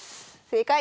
正解！